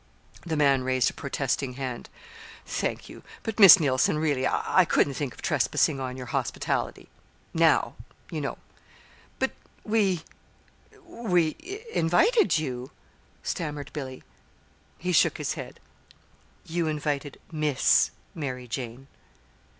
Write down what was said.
The man raised a protesting hand. "Thank you; but, Miss Neilson, really I couldn't think of trespassing on your hospitality now, you know." "But we we invited you," stammered Billy. He shook his head. "You invited Miss Mary Jane."